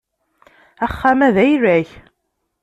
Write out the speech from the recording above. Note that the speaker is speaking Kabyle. Axxam-a d ayla-k?